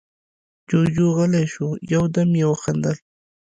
جُوجُو غلی شو، يو دم يې وخندل: